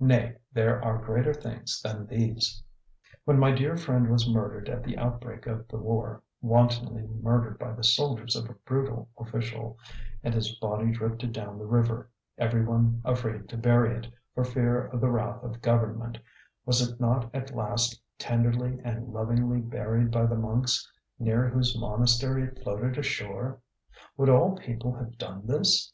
Nay, there are greater things than these. When my dear friend was murdered at the outbreak of the war, wantonly murdered by the soldiers of a brutal official, and his body drifted down the river, everyone afraid to bury it, for fear of the wrath of government, was it not at last tenderly and lovingly buried by the monks near whose monastery it floated ashore? Would all people have done this?